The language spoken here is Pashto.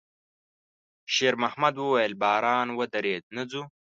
شېرمحمد وويل: «باران ودرېد، نه ځو؟»